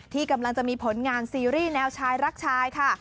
ที่กำลังจะมีผลงานซีรีส์แนวชายรักชายค่ะ